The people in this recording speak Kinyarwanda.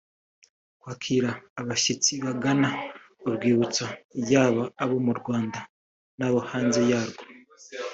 kwakira abashyitsi bagana urwibutso yaba abo mu Rwamda n’abo hanze yarwo